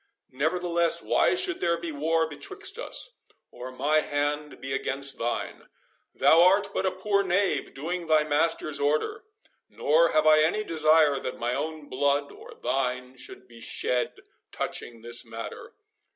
Nevertheless, why should there be war betwixt us, or my hand be against thine? Thou art but a poor knave, doing thy master's order, nor have I any desire that my own blood or thine should be shed touching this matter.